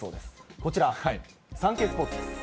こちら、サンケイスポーツです。